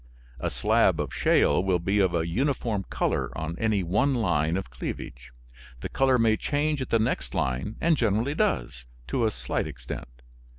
A slab of shale will be of a uniform color on any one line of cleavage. The color may change at the next line, and generally does, to a slight extent.